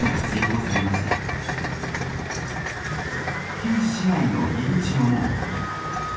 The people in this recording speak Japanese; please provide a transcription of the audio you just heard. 旧市街の入り口の門。